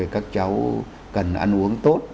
các cháu cần ăn uống tốt